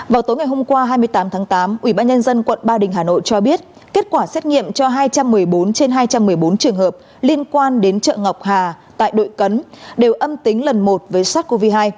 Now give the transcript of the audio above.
vào tối ngày hôm qua hai mươi tám tháng tám ubnd quận ba đình hà nội cho biết kết quả xét nghiệm cho hai trăm một mươi bốn trên hai trăm một mươi bốn trường hợp liên quan đến chợ ngọc hà tại đội cấn đều âm tính lần một với sars cov hai